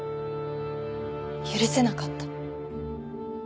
許せなかった。